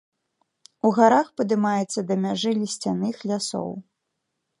У гарах падымаецца да мяжы лісцяных лясоў.